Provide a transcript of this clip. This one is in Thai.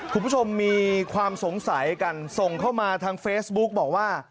คุณผู้ชมมีความสงสัยกันส่งเข้ามาทางเฟซบุ๊กบอกว่า